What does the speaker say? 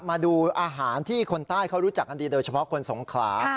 มาดูอาหารที่คนใต้เขารู้จักกันดีโดยเฉพาะคนสงขลา